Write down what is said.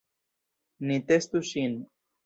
Ni testu ŝin